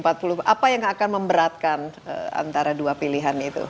apa yang akan memberatkan antara dua pilihan itu